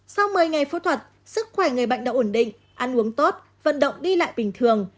sau một mươi ngày phẫu thuật sức khỏe người bệnh đã ổn định ăn uống tốt vận động đi lại bình thường